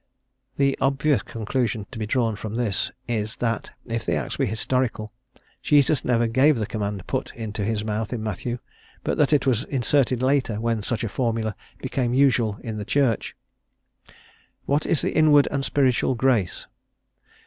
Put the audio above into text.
The obvious conclusion to be drawn from this is, that if the Acts be historical, Jesus never gave the command put into his mouth in Matthew, but that it was inserted later when such a formula became usual in the Church. "What is the inward and spiritual grace?